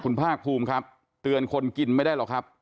คุณภาคภูมิครับเตือนคนกินไม่ได้หรอกครับ